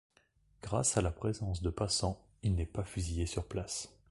Grâce à la présence de passants, il n’est pas fusillé sur place.